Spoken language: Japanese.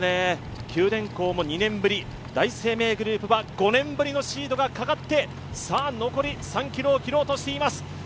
九電工も２年ぶり、第一生命グループは５年ぶりのシードがかかってさあ、残り３ｋｍを切ろうとしています。